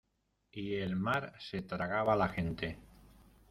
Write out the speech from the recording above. y el mar se tragaba la gente.